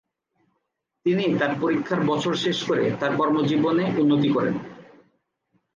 তিনি তার পরীক্ষার বছর শেষ করে তার কর্মজীবনে উন্নতি করেন।